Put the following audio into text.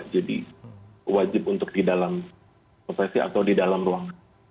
jadi wajib untuk di dalam prosesi atau di dalam ruang